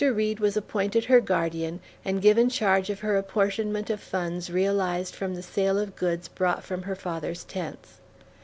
Reed was appointed her guardian and given charge of her apportionment of funds realized from the sale of goods brought from her father's tents.